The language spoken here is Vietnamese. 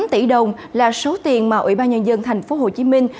tám tỷ đồng là số tiền mà ủy ban nhân dân thành phố hồ chí minh